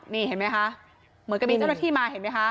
นี่เห็นไหมคะเหมือนกับมีเจ้าหน้าที่มาเห็นไหมคะ